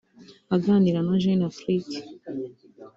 Aganira na Jeune Afrique